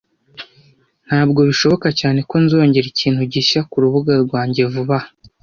Ntabwo bishoboka cyane ko nzongera ikintu gishya kurubuga rwanjye vuba aha.